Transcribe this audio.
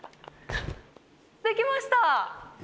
できました！